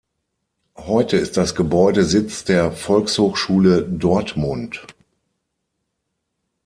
Heute ist das Gebäude Sitz der Volkshochschule Dortmund.